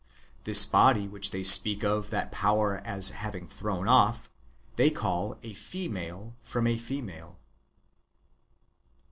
This body which they speak of that power as having thrown off, they call a female from a female.